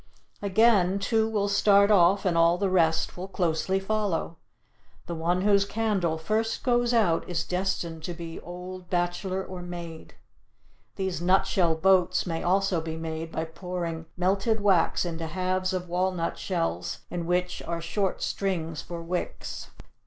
Again, two will start off and all the rest will closely follow. The one whose candle first goes out is destined to be old bachelor or maid. These nut shell boats may also be made by pouring melted wax into halves of walnut shells in which are short strings for wicks.